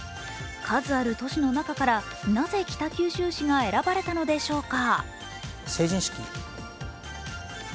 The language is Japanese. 数ある都市の中からなぜ北九州市が選ばれたのでしょうか。